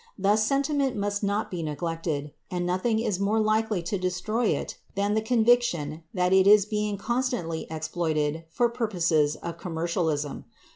Thus, sentiment must not be neglected, and nothing is more likely to destroy it than the conviction that it is being constantly exploited for purposes of commercialism.